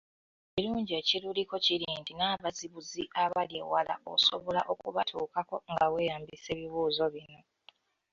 Ekirungi ekiruliko kiri nti n’abazibuzi abali ewala osobola okubatuukako nga weeyambisa ebibuuzo bino.